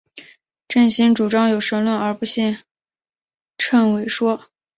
郑兴主张有神论而不信谶纬说。